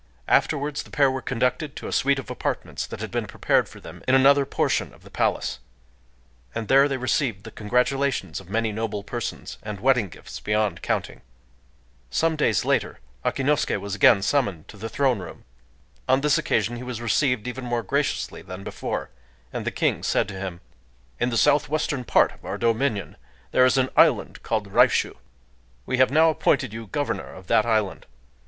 Afterwards the pair were conducted to a suite of apartments that had been prepared for them in another portion of the palace; and there they received the congratulations of many noble persons, and wedding gifts beyond counting. Some days later Akinosuké was again summoned to the throne room. On this occasion he was received even more graciously than before; and the King said to him:— "In the southwestern part of Our dominion there is an island called Raishū. We have now appointed you Governor of that island.